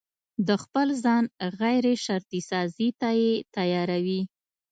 د خپل ځان غيرشرطي سازي ته يې تياروي.